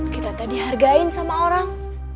kita tak dihargain sama orang